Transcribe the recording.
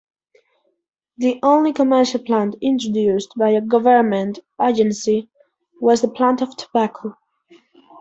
The only commercial plant introduced by a government agency was the plant of tobacco.